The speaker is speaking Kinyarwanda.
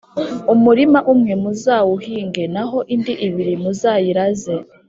umurima umwe muzawuhinge naho indi ibiri muzayiraze.